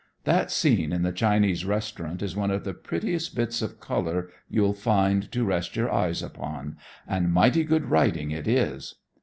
That scene in the Chinese restaurant is one of the prettiest bits of color you'll find to rest your eyes upon, and mighty good writing it is.